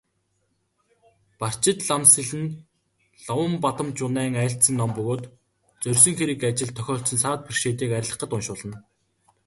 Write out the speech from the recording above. Барчидламсэл нь Ловонбадамжунайн айлдсан ном бөгөөд зорьсон хэрэг ажилд тохиолдсон саад бэрхшээлийг арилгахад уншуулна.